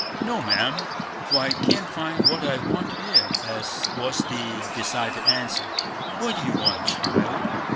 "No, ma'am, for I can't find what I want here," was the decided answer. "What do you want, child?"